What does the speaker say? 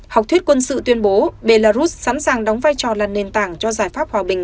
học thuyết quân sự tuyên bố belarus sẵn sàng đóng vai trò là nền tảng cho giải pháp hòa bình